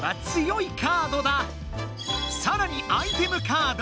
さらにアイテムカード。